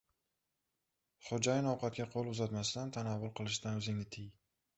– xo‘jayin ovqatga qo‘l uzatmasdan turib, tanovul qilishdan o‘zingni tiy.